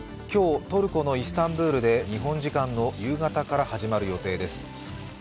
今日、トルコのイスタンブールで日本時間の夕方から始まる予定です。